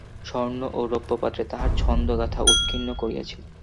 স্বর্ণ ও রৌপ্যপাত্রে তাহারা ছন্দ-গাথা উৎকীর্ণ করিয়াছিল।